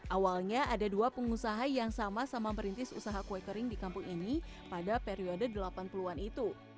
awalnya ada dua pengusaha yang sama sama merintis usaha kue kering di kampung ini pada periode delapan puluh an itu